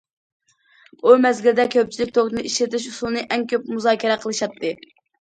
ئۇ مەزگىلدە كۆپچىلىك توكنى ئىشلىتىش ئۇسۇلىنى ئەڭ كۆپ مۇزاكىرە قىلىشاتتى.